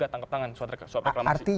tidak tangkap tangan swap reklamasi